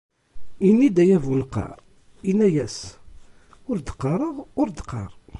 Ini-d ay abuneqqar, yenna-yas: ur d-qqareɣ, ur d-qqar.